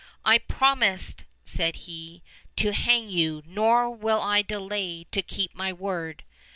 "I promised," said he, "to hang you, nor will I delay to keep my word."